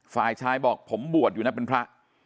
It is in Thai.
ฝ่ายชายบอกผมบวชอยู่นะเป็นพระ